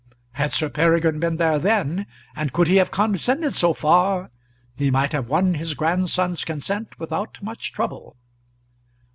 Had Sir Peregrine been there then, and could he have condescended so far, he might have won his grandson's consent without much trouble.